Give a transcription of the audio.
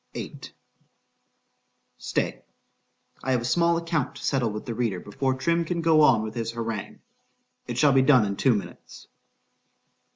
VIII STAY—I have a small account to settle with the reader before Trim can go on with his harangue.—It shall be done in two minutes.